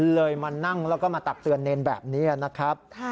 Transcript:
มานั่งแล้วก็มาตักเตือนเนรแบบนี้นะครับ